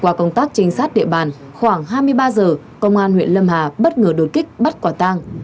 qua công tác trinh sát địa bàn khoảng hai mươi ba giờ công an huyện lâm hà bất ngờ đột kích bắt quả tang